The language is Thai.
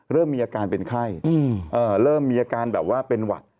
เริ่มมีอาการเป็นไข้เริ่มมีอาการแบบว่าเป็นหวัด